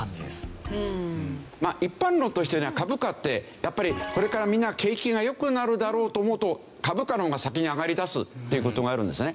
まあ一般論としての株価ってやっぱりこれからみんな景気が良くなるだろうと思うと株価の方が先に上がりだすという事があるんですね。